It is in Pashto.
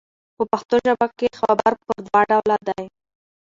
په پښتو ژبه کښي خبر پر دوه ډوله دئ.